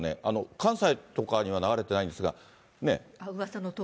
関西とかには流れてないんですが。